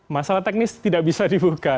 masalah teknis tidak bisa dibuka